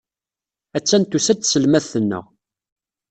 Attan tusa-d tselmadt-nneɣ.